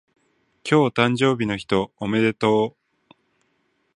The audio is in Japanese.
今日誕生日の人おめでとう